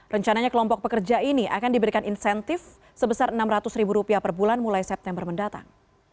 rencananya kelompok pekerja ini akan diberikan insentif sebesar rp enam ratus ribu rupiah per bulan mulai september mendatang